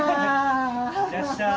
いらっしゃい。